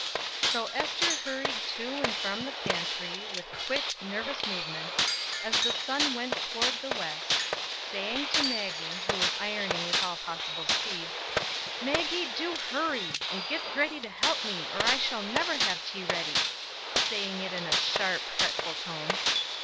So Ester hurried to and from the pantry, with quick, nervous movements, as the sun went toward the west, saying to Maggie who was ironing with all possible speed: "Maggie, do hurry, and get ready to help me, or I shall never have tea ready:" Saying it in a sharp fretful tone.